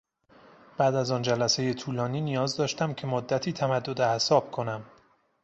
بعد از آن جلسهی طولانی نیاز داشتم که مدتی تمدد اعصاب کنم.